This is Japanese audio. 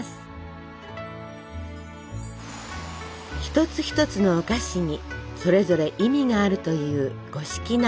一つ一つのお菓子にそれぞれ意味があるという五色生菓子。